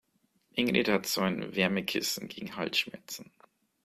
Ingrid hat so ein Wärmekissen gegen Halsschmerzen.